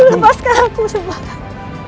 lepaskan aku sembarang